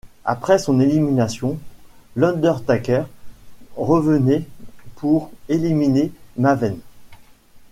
Après son élimination, l'Undertaker revenait pour éliminer Maven.